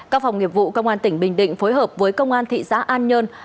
các phòng nghiệp vụ công an tỉnh bình định phối hợp với công an thị xã an nhơn